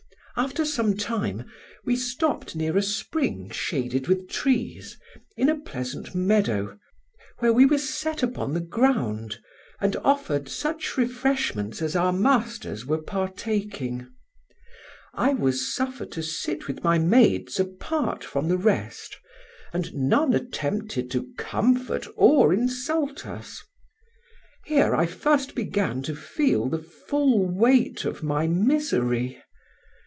After some time we stopped near a spring shaded with trees, in a pleasant meadow, where we were set upon the ground, and offered such refreshments as our masters were partaking. I was suffered to sit with my maids apart from the rest, and none attempted to comfort or insult us. Here I first began to feel the full weight of my misery.